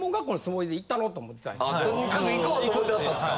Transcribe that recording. とにかく行こうと思ってはったんですか。